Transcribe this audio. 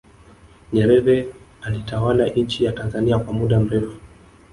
nyerere alitawala nchi ya tanzania kwa muda mrefu